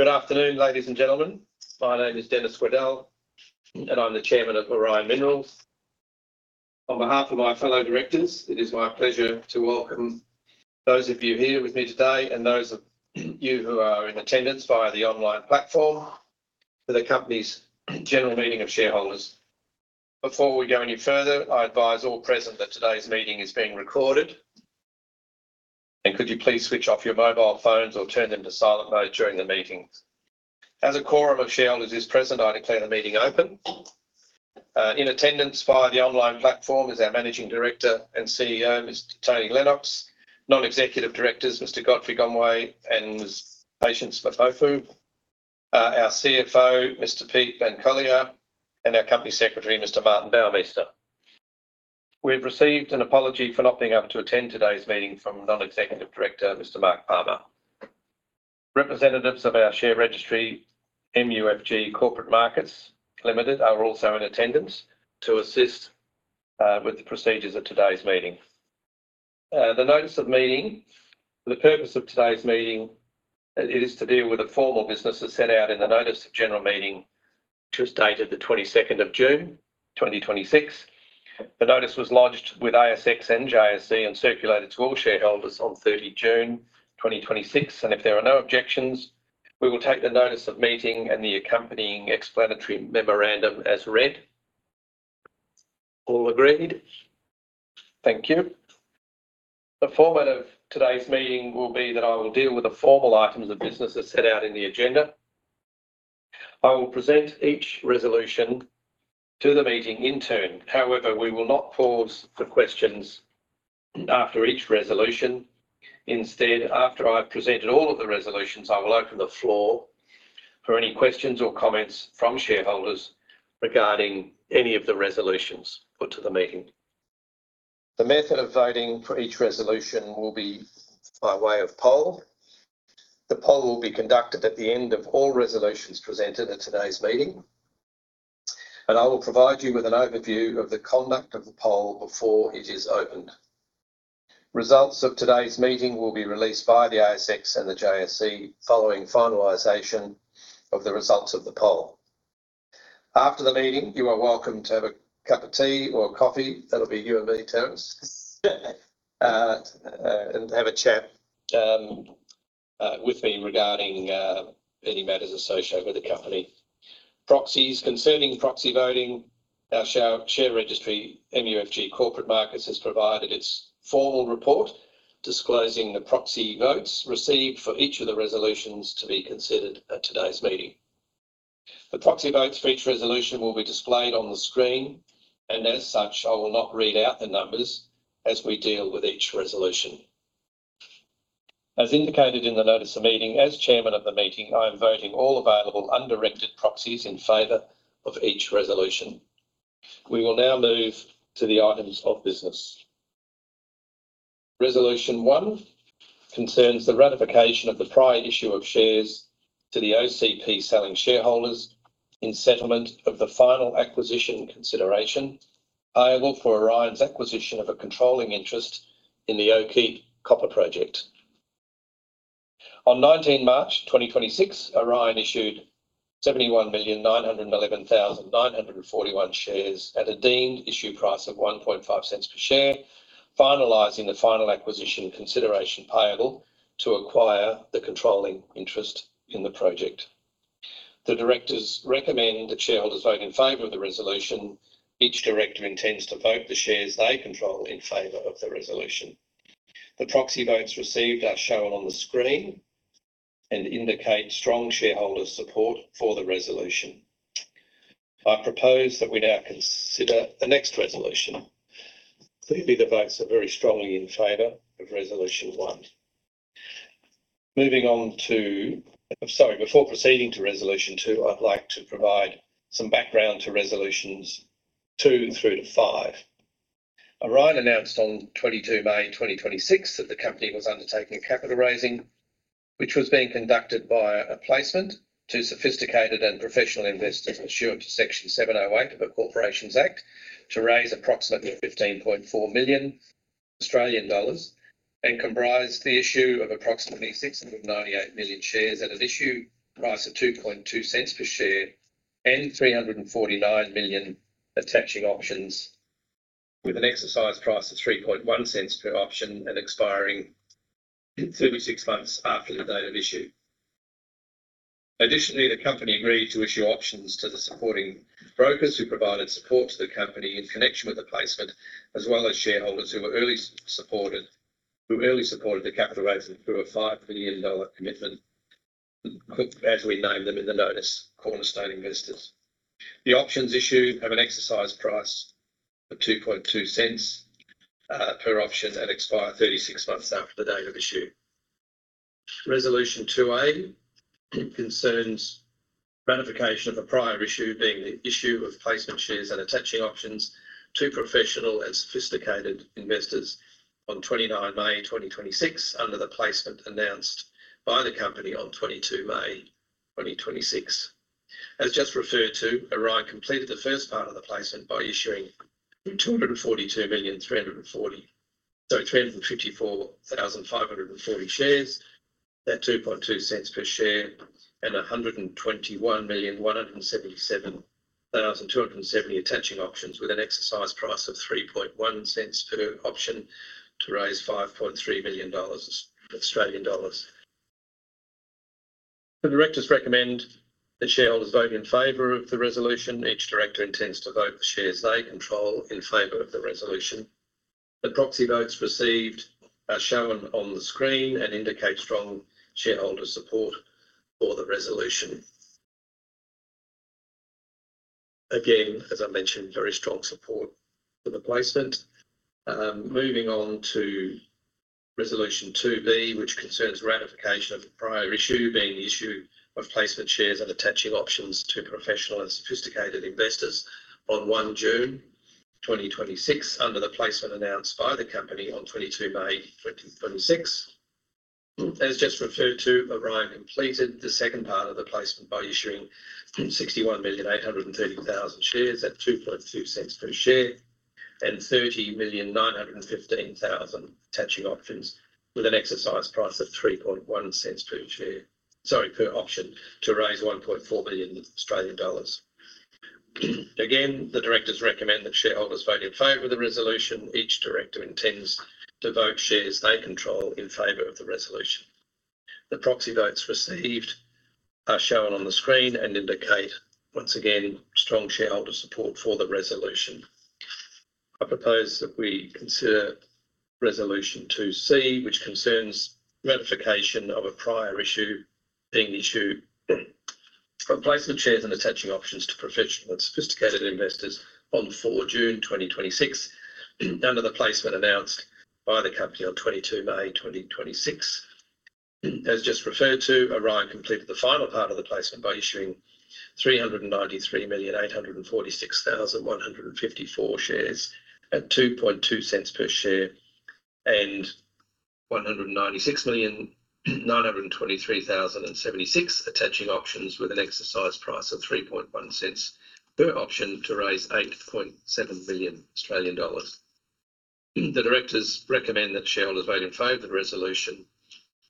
Good afternoon, ladies and gentlemen. My name is Denis Waddell, and I'm the Chairman of Orion Minerals. On behalf of my fellow Directors, it is my pleasure to welcome those of you here with me today and those of you who are in attendance via the online platform for the company's general meeting of shareholders. Before we go any further, I advise all present that today's meeting is being recorded. Could you please switch off your mobile phones or turn them to silent mode during the meeting? As a quorum of shareholders is present, I declare the meeting open. In attendance via the online platform is our Managing Director and CEO, Mr. Tony Lennox. Non-Executive Directors, Mr. Godfrey Gomwe and Ms. Patience Mpofu. Our CFO, Mr. Peet van Coller, and our Company Secretary, Mr. Martin Bouwmeester. We've received an apology for not being able to attend today's meeting from Non-Executive Director, Mr. Mark Palmer. Representatives of our share registry, MUFG Corporate Markets Limited, are also in attendance to assist with the procedures of today's meeting. The notice of meeting. The purpose of today's meeting is to deal with the formal business as set out in the notice of general meeting, which was dated June 22nd, 2026. The notice was lodged with ASX and JSE and circulated to all shareholders on June 30, 2026. If there are no objections, we will take the notice of meeting and the accompanying explanatory memorandum as read. All agreed? Thank you. The format of today's meeting will be that I will deal with the formal items of business as set out in the agenda. I will present each resolution to the meeting in turn. However, we will not pause for questions after each resolution. Instead, after I've presented all of the resolutions, I will open the floor for any questions or comments from shareholders regarding any of the resolutions put to the meeting. The method of voting for each resolution will be by way of poll. The poll will be conducted at the end of all resolutions presented at today's meeting, and I will provide you with an overview of the conduct of the poll before it is opened. Results of today's meeting will be released by the ASX and the JSE following finalization of the results of the poll. After the meeting, you are welcome to have a cup of tea or coffee. That'll be you and me, Terence. Have a chat with me regarding any matters associated with the company. Proxies. Concerning proxy voting, our share registry, MUFG Corporate Markets, has provided its formal report disclosing the proxy votes received for each of the resolutions to be considered at today's meeting. The proxy votes for each resolution will be displayed on the screen, and as such, I will not read out the numbers as we deal with each resolution. As indicated in the notice of meeting, as Chairman of the meeting, I am voting all available undirected proxies in favor of each resolution. We will now move to the items of business. Resolution one concerns the ratification of the prior issue of shares to the OCP selling shareholders in settlement of the final acquisition consideration payable for Orion's acquisition of a controlling interest in the Okiep Copper Project. On March 19, 2026, Orion issued 71,911,941 shares at a deemed issue price of 0.015 per share, finalizing the final acquisition consideration payable to acquire the controlling interest in the project. The directors recommend that shareholders vote in favor of the resolution. Each Director intends to vote the shares they control in favor of the resolution. The proxy votes received are shown on the screen and indicate strong shareholder support for the resolution. I propose that we now consider the next resolution. Clearly, the votes are very strongly in favor of resolution one. Before proceeding to resolution two, I'd like to provide some background to resolutions two through to five. Orion announced on May 22, 2026 that the company was undertaking a capital raising, which was being conducted by a placement to sophisticated and professional investors assured to Section 708 of the Corporations Act to raise approximately 15.4 million Australian dollars and comprise the issue of approximately 698 million shares at an issue price of 0.022 per share and 349 million attaching options with an exercise price of 0.031 per option and expiring 36 months after the date of issue. Additionally, the company agreed to issue options to the supporting brokers who provided support to the company in connection with the placement, as well as shareholders who early supported the capital raise through a 5 million dollar commitment, as we named them in the notice, Cornerstone Investors. The options issued have an exercise price of 0.022 per option and expire 36 months after the date of issue. Resolution 2A concerns ratification of a prior issue, being the issue of placement shares and attaching options to professional and sophisticated investors on May 29, 2026 under the placement announced by the company on May 22, 2026. As just referred to, Orion completed the first part of the placement by issuing 242,354,540 shares at 0.022 per share and 121,177,270 attaching options with an exercise price of 0.031 per option to raise 5.3 million Australian dollars. The directors recommend that shareholders vote in favor of the resolution. Each Director intends to vote the shares they control in favor of the resolution. The proxy votes received are shown on the screen and indicate strong shareholder support for the resolution. Again, as I mentioned, very strong support for the placement. Moving on to Resolution 2B, which concerns ratification of a prior issue, being the issue of placement shares and attaching options to professional and sophisticated investors on June 1, 2026 under the placement announced by the company on May 22, 2026. As just referred to, Orion completed the second part of the placement by issuing 61,830,000 shares at 0.022 per share and 30,915,000 attaching options with an exercise price of 0.031 per option to raise 1.4 million Australian dollars. Again, the Directors recommend that shareholders vote in favor of the resolution. Each Director intends to vote shares they control in favor of the resolution. The proxy votes received are shown on the screen and indicate, once again, strong shareholder support for the resolution. I propose that we consider Resolution 2C, which concerns ratification of a prior issue, being the issue of placement shares and attaching options to professional and sophisticated investors on June 4, 2026 under the placement announced by the company on May 22, 2026. As just referred to, Orion completed the final part of the placement by issuing 393,846,154 shares at AUD 0.022 per share and 196,923,076 attaching options with an exercise price of 0.031 per option to raise 8.7 million Australian dollars. The Directors recommend that shareholders vote in favor of the resolution.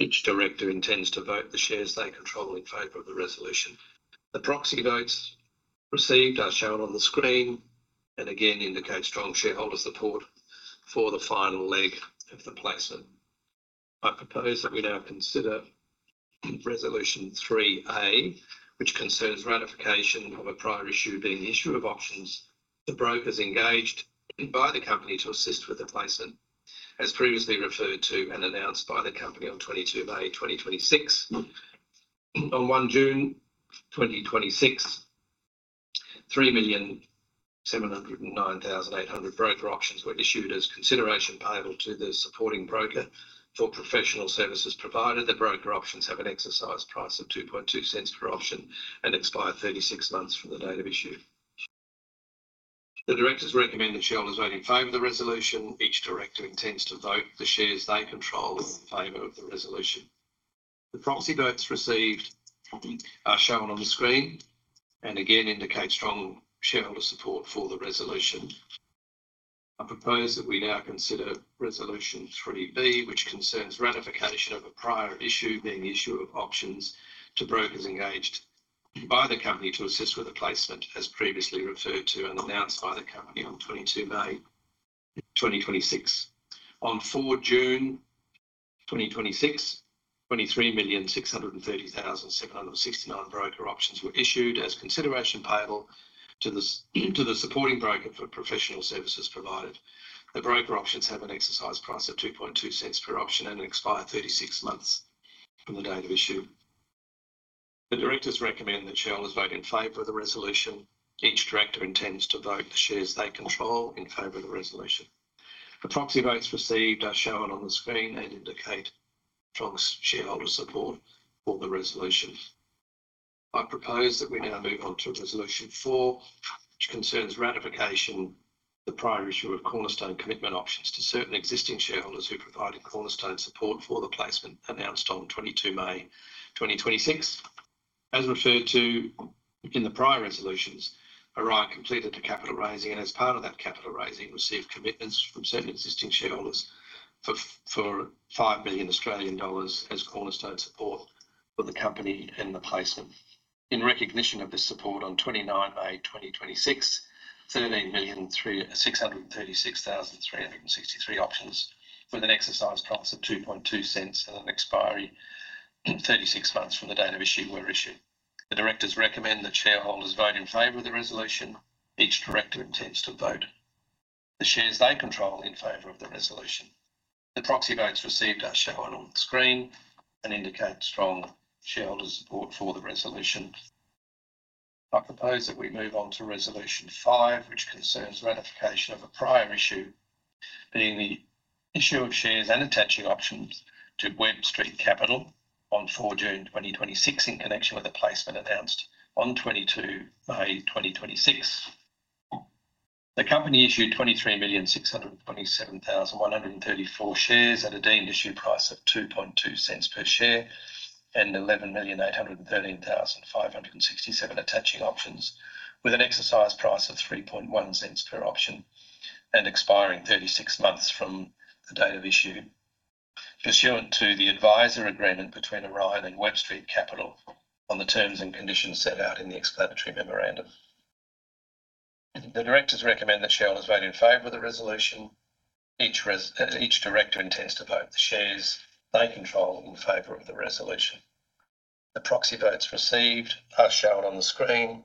Each Director intends to vote the shares they control in favor of the resolution. The proxy votes received are shown on the screen and again indicate strong shareholder support for the final leg of the placement. I propose that we now consider Resolution 3A, which concerns ratification of a prior issue, being the issue of options to brokers engaged by the company to assist with the placement. As previously referred to and announced by the company on May 22nd, 2026. On June 1, 2026, 3,709,800 broker options were issued as consideration payable to the supporting broker for professional services provided. The broker options have an exercise price of 0.022 per option and expire 36 months from the date of issue. The Directors recommend that shareholders vote in favor of the resolution. Each Director intends to vote the shares they control in favor of the resolution. The proxy votes received are shown on the screen and again indicate strong shareholder support for the resolution. I propose that we now consider Resolution 3B, which concerns ratification of a prior issue, being the issue of options to brokers engaged by the company to assist with the placement as previously referred to and announced by the company on May 22, 2026. On June 4, 2026, 23,630,769 broker options were issued as consideration payable to the supporting broker for professional services provided. The broker options have an exercise price of 0.022 per option and expire 36 months from the date of issue. The Directors recommend that shareholders vote in favor of the resolution. Each Director intends to vote the shares they control in favor of the resolution. The proxy votes received are shown on the screen and indicate strong shareholder support for the resolution. I propose that we now move on to Resolution 4, which concerns ratification of the prior issue of Cornerstone commitment options to certain existing shareholders who provided Cornerstone support for the placement announced on May 22, 2026. As referred to in the prior resolutions, Orion completed a capital raising, and as part of that capital raising, received commitments from certain existing shareholders for 5 million Australian dollars as Cornerstone support for the company and the placement. In recognition of this support, on May 29, 2026, 13,636,363 options with an exercise price of 0.022 and an expiry 36 months from the date of issue were issued. The directors recommend that shareholders vote in favor of the resolution. Each Director intends to vote the shares they control in favor of the resolution. The proxy votes received are shown on the screen and indicate strong shareholder support for the resolution. I propose that we move on to Resolution 5, which concerns ratification of a prior issue, being the issue of shares and attaching options to Webb Street Capital on June 4, 2026 in connection with the placement announced on May 22, 2026. The company issued 23,627,134 shares at a deemed issue price of 0.022 per share and 11,813,567 attaching options with an exercise price of 0.031 per option and expiring 36 months from the date of issue. Pursuant to the advisor agreement between Orion and Webb Street Capital on the terms and conditions set out in the explanatory memorandum. The Directors recommend that shareholders vote in favor of the resolution. Each Director intends to vote the shares they control in favor of the resolution. The proxy votes received are shown on the screen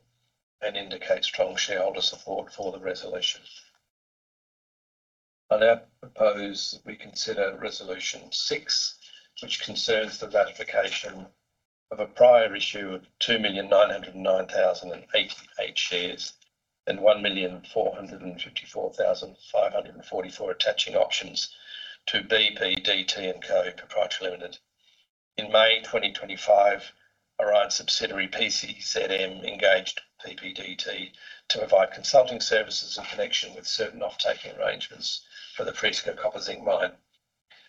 and indicate strong shareholder support for the resolution. I now propose that we consider Resolution 6, which concerns the ratification of a prior issue of 2,909,088 shares and 1,454,544 attaching options to BPDT & Co Pty Ltd. In May 2025, Orion subsidiary PCZM engaged BPDT to provide consulting services in connection with certain off-taking arrangements for the Prieska Copper Zinc Mine.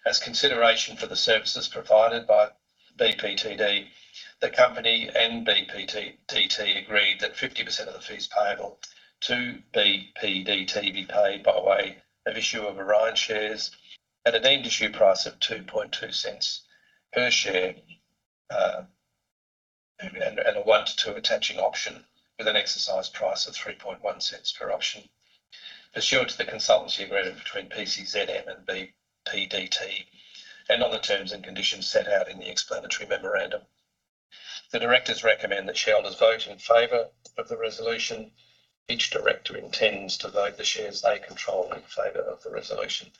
As consideration for the services provided by BPDT, the company and BPDT agreed that 50% of the fees payable to BPDT be paid by way of issue of Orion shares at a deemed issue price of 0.022 per share, and a one to two attaching option with an exercise price of 0.031 per option. Pursuant to the consultancy agreement between PCZM and BPDT and on the terms and conditions set out in the explanatory memorandum. The directors recommend that shareholders vote in favor of the resolution. Each Director intends to vote the shares they control in favor of the resolution.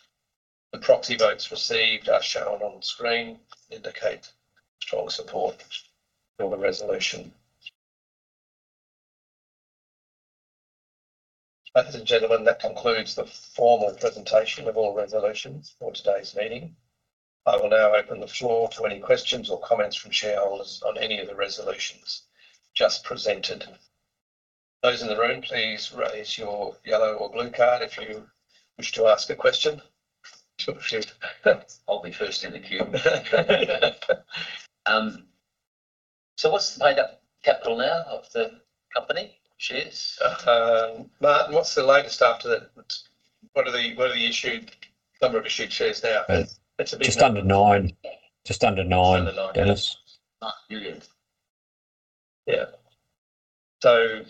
The proxy votes received are shown on screen indicate strong support for the resolution. Ladies and gentlemen, that concludes the formal presentation of all resolutions for today's meeting. I will now open the floor to any questions or comments from shareholders on any of the resolutions just presented. Those in the room, please raise your yellow or blue card if you wish to ask a question. Sure. I'll be first in the queue. What's the made up capital now of the company shares? Martin, what's the latest after the number of issued shares now? That's a big. Just under 9. Under 9 Denis. [inaudible] Yeah.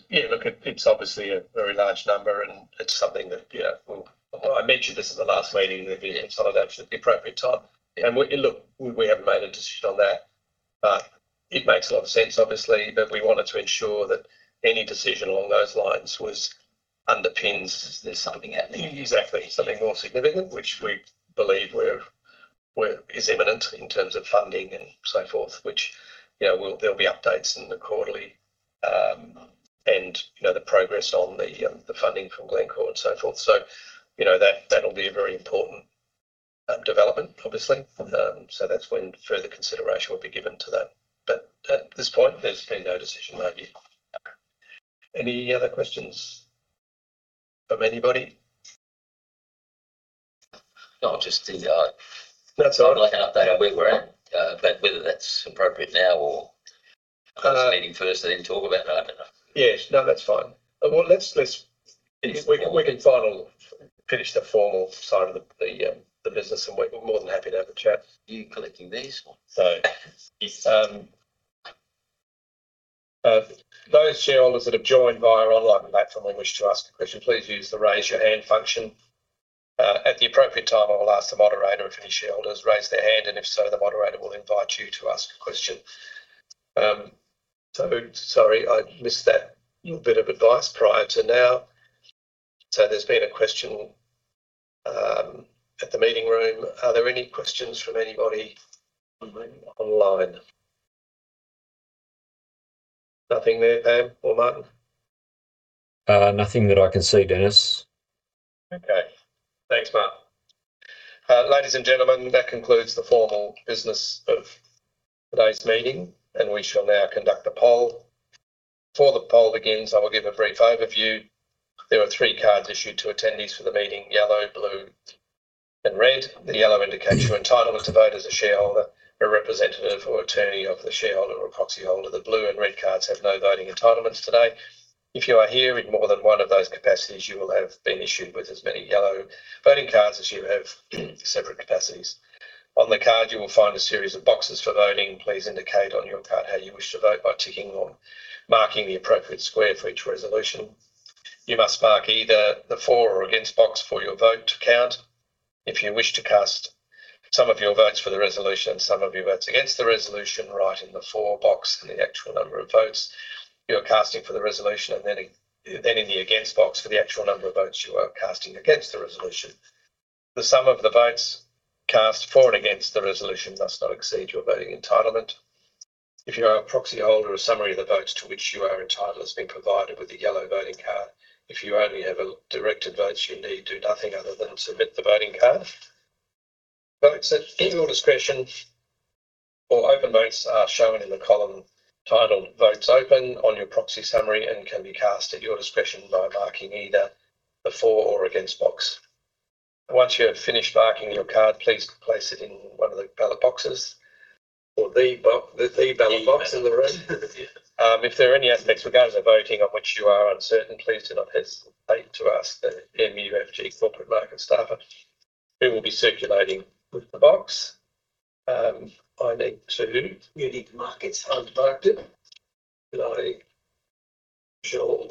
Yeah, look, it's obviously a very large number, and it's something that, yeah, we'll I mentioned this at the last meeting. It'd be sort of at the appropriate time. Look, we haven't made a decision on that, but it makes a lot of sense, obviously. We wanted to ensure that any decision along those lines was underpins- There's something out there- Exactly. Something more significant which we believe is imminent in terms of funding and so forth. Which, there'll be updates in the quarterly, and the progress on the funding from Glencore and so forth. That'll be a very important development, obviously. That's when further consideration will be given to that. At this point, there's been no decision made yet. Any other questions from anybody? No, I just think- No, it's all right. ...like an update on where we're at. Whether that's appropriate now or next meeting first, then talk about that. I don't know. Yes. No, that's fine. Well. Finish formal. We can final finish the formal side of the business, and we're more than happy to have a chat. You collecting these or? Those shareholders that have joined via online platform and wish to ask a question, please use the raise your hand function. At the appropriate time, I will ask the moderator if any shareholders raise their hand, and if so, the moderator will invite you to ask a question. Sorry, I missed that little bit of advice prior to now. There's been a question at the meeting room. Are there any questions from anybody online? Nothing there, [Pam] or Martin? Nothing that I can see, Denis. Okay. Thanks, Martin. Ladies and gentlemen, that concludes the formal business of today's meeting. We shall now conduct a poll. Before the poll begins, I will give a brief overview. There are three cards issued to attendees for the meeting. Yellow, blue, and red. The yellow indicates your entitlement to vote as a shareholder or representative or attorney of the shareholder or proxyholder. The blue and red cards have no voting entitlements today. If you are here in more than one of those capacities, you will have been issued with as many yellow voting cards as you have separate capacities. On the card, you will find a series of boxes for voting. Please indicate on your card how you wish to vote by ticking or marking the appropriate square for each resolution. You must mark either the for or against box for your vote to count. If you wish to cast some of your votes for the resolution, some of your votes against the resolution, write in the for box and the actual number of votes you are casting for the resolution. Then in the against box for the actual number of votes you are casting against the resolution. The sum of the votes cast for and against the resolution must not exceed your voting entitlement. If you are a proxyholder, a summary of the votes to which you are entitled has been provided with the yellow voting card. If you only have directed votes, you need do nothing other than submit the voting card. Votes at your discretion or open votes are shown in the column titled Votes Open on your proxy summary, and can be cast at your discretion by marking either the For or Against box. Once you have finished marking your card, please place it in one of the ballot boxes, or the ballot box in the room. The ballot box. Yeah. If there are any aspects regards our voting on which you are uncertain, please do not hesitate to ask a MUFG Corporate Markets staffer who will be circulating with the box. You need to mark it. I marked it. Did I? Sure.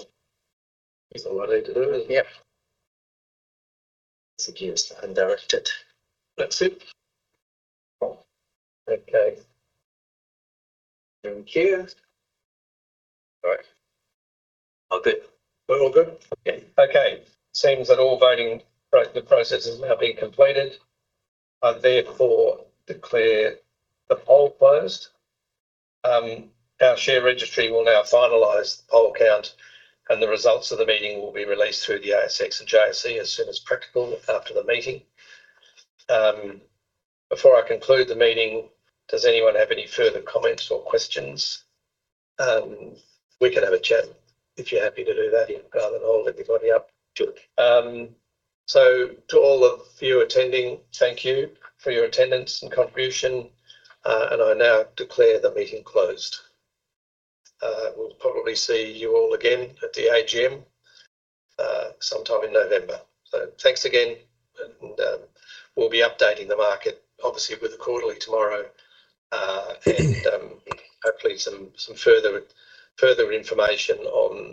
Is that what I need to do? Yeah. It's against, and direct it. That's it. Okay. Thank you. All right. All good. We're all good? Yeah. Okay. Seems that all voting, the process has now been completed. I therefore declare the poll closed. Our share registry will now finalize the poll count. The results of the meeting will be released through the ASX and JSE as soon as practical after the meeting. Before I conclude the meeting, does anyone have any further comments or questions? We can have a chat if you're happy to do that. Rather than hold everybody up. Sure. To all of you attending, thank you for your attendance and contribution. I now declare the meeting closed. We'll probably see you all again at the AGM, sometime in November. Thanks again, and we'll be updating the market, obviously, with the quarterly tomorrow. Hopefully some further information on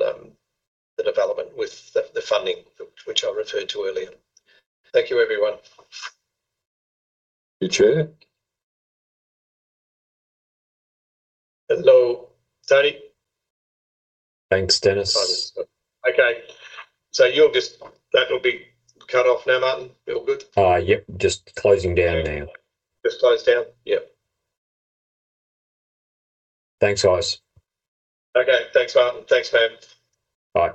the development with the funding, which I referred to earlier. Thank you, everyone. You too. Hello, Tony. Thanks, Denis. Okay. That'll be cut off now, Martin. We all good? Yep. Just closing down now. Just close down. Yep. Thanks, guys. Okay. Thanks, Martin. Thanks, [Pam] Bye.